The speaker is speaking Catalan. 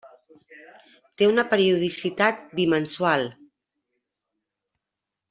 Té una periodicitat bimensual.